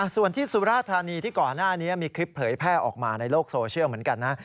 ส่วนที่สุราธานีที่ก่อนหน้านี้มีคลิปเผยแพร่ออกมาในโลกโซเชียลเหมือนกันนะ